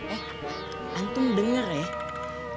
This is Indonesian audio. eh antum denger ya